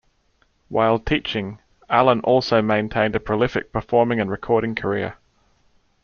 While teaching, Alan also maintained a prolific performing and recording career.